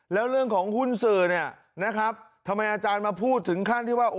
แล้วเรื่องของหุ้นสื่อเนี่ยนะครับทำไมอาจารย์มาพูดถึงขั้นที่ว่า